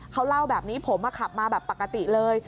เขาเล่าแบบนี้ผมขับมาแบบปกติเลย